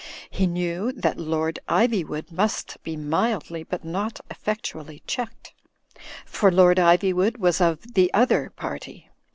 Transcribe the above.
He knew that Lord Ivywood must be mildly but not effectually checked; for Lord Ivywood was of The Other Party.